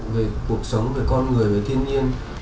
về cuộc sống về con người về thiên nhiên